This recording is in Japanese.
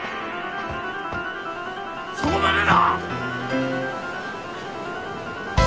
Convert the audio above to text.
そこまでだ！